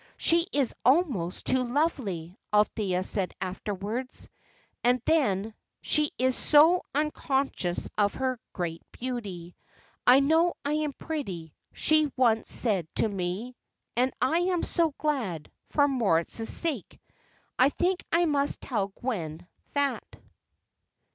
"She is almost too lovely," Althea said afterwards. "And then, she is so unconscious of her great beauty. 'I know I am pretty,' she once said to me. 'And I am so glad, for Moritz's sake.' I think I must tell Gwen that."